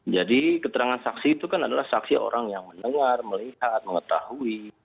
jadi keterangan saksi itu kan adalah saksi orang yang mendengar melihat mengetahui